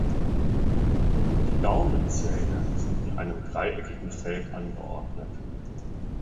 Die Gaumenzähne sind in einem dreieckigen Feld angeordnet.